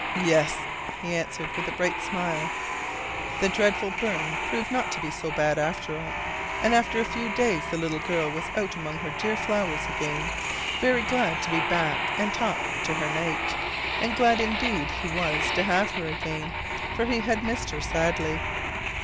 Yes," he answered with a bright smile. The dreadful burn proved not to be so bad after all, and after a few days the little girl was out among her dear flowers again, very glad to be back and talk to her knight, and glad indeed he was to have her again, for he had missed her sadly.